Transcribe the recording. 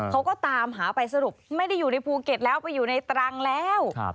เขาก็ตามหาไปสรุปไม่ได้อยู่ในภูเก็ตแล้วไปอยู่ในตรังแล้ว